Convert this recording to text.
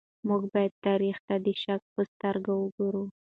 موږ بايد تاريخ ته د شک په سترګه وګورو.